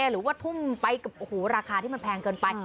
หรือว่าทุ่มไปกับราคาที่มันแพงเกินไป